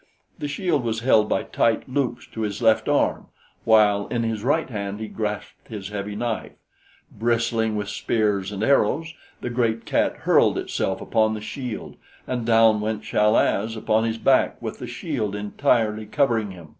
The shield was held by tight loops to his left arm, while in his right hand he grasped his heavy knife. Bristling with spears and arrows, the great cat hurled itself upon the shield, and down went Chal az upon his back with the shield entirely covering him.